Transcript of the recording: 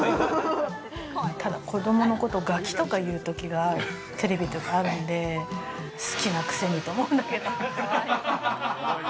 ただ子供のことを、ガキとかいうときがあるんで、好きなくせにと思うんだけど。